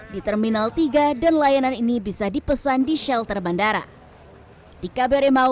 di terminal tiga dan layanan ini bisa dipesan di shelter bandara